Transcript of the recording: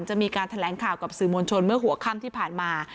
จะมีการแถลงข่าวกับสื่อมวลชนเมื่อหัวค่ำที่ผ่านมา